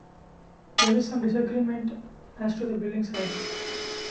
There is some disagreement as to the building's height.